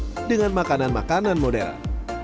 yang dengan makanan makanan modern